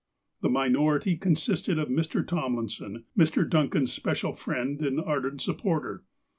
''^ The minority consisted of Mr. Tomlinson, Mr. Duncan's special friend and ardent supporter.